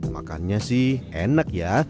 makannya sih enak ya